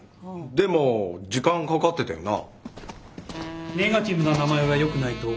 でも時間かかってたよな。